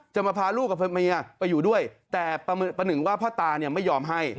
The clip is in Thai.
จะมาพาลูกกับเมียไปอยู่ด้วยแต่ประหนึ่งว่าพ่อตาเนี่ยไม่ยอมให้